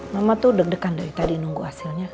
mama tuh deg degan dari tadi nunggu hasilnya